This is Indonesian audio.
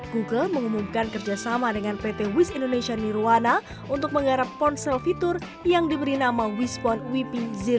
google mengumumkan kerjasama dengan pt wis indonesia nirwana untuk menggarap ponsel fitur yang diberi nama wispon wp